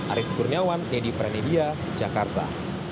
arief gurniawan nedi pranibia jakarta